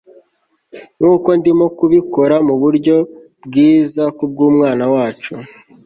nkuko ndimo kubikora muburyo bwiza kubwumwana wacu